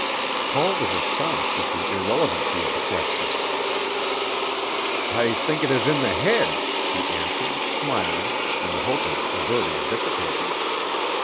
Paul was astonished at the irrelevancy of the question. "I think it is in the head," he answered, smiling, in the hope of averting a difficulty.